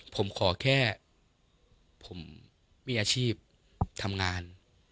ผมขอแค่ผมมีอาชีพทำงาน